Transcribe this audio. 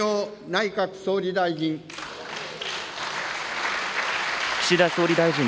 内閣総理大臣。